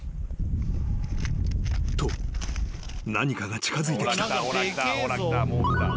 ［と何かが近づいてきた］